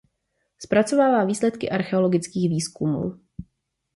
Zpracovává výsledky archeologických výzkumů.